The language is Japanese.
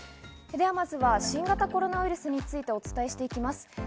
まずは新型コロナウイルスについてお伝えします。